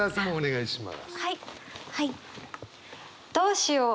はい。